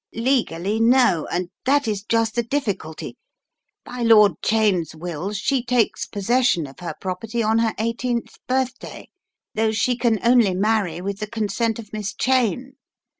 "Legally, no, and that is just the difficulty. By Lord Cheyne's will she takes possession of her prop erty on her eighteenth birthday though she can only marry with the consent of Miss Cheyne.